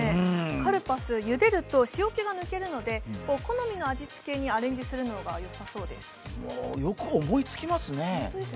カルパス、ゆでると塩気が抜けるので好みの味付けにアレンジするのがよさそうです。